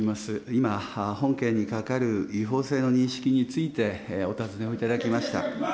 今、本件に係る違法性の認識についてお尋ねを頂きました。